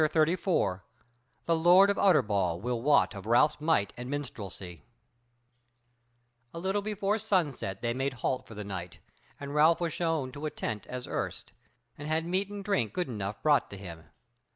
CHAPTER 34 The Lord of Utterbol Will Wot of Ralph's Might and Minstrelsy A little before sunset they made halt for the night, and Ralph was shown to a tent as erst, and had meat and drink good enough brought to him.